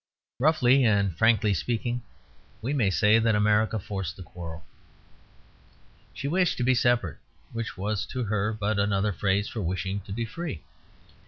Roughly and frankly speaking, we may say that America forced the quarrel. She wished to be separate, which was to her but another phrase for wishing to be free.